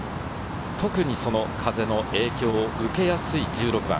特に風の影響を受けやすい１６番。